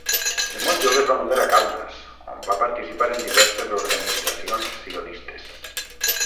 De molt jove es va mudar a Kaunas, on va participar en diverses organitzacions sionistes.